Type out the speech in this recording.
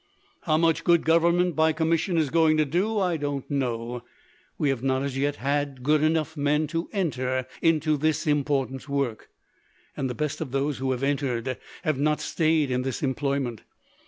"How much good government by commission is going to do I don't know. We have not as yet had good enough men to enter into this im portant work, and the best of those who have entered have not stayed in this employment.